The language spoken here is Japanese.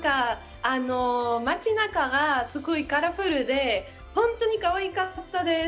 街なかはすごいカラフルで、本当にかわいかったです。